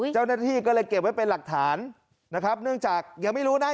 เจ้าหน้าที่ก็เลยเก็บไว้เป็นหลักฐานนะครับเนื่องจากยังไม่รู้นะ